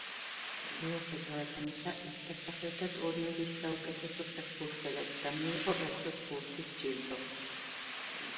მიუხედავად ამისა, ის დასახელდა ტურნირის საუკეთესო ფეხბურთელად და მიიღო ოქროს ბურთის ჯილდო.